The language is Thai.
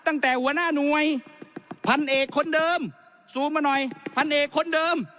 ตั้งแต่หัวหน้าหน่วยพันเอกคนเดิมซูมมาหน่อยพันเอกคนเดิม